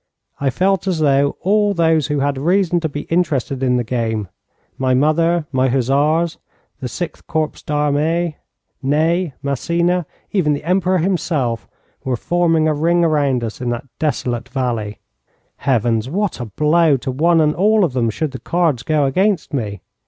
I felt as though all those who had reason to be interested in the game my mother, my hussars, the Sixth Corps d'Armée, Ney, Massena, even the Emperor himself were forming a ring round us in that desolate valley. Heavens, what a blow to one and all of them should the cards go against me!